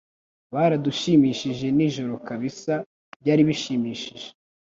Baradushimishije nijoro kabisa byari bishimishije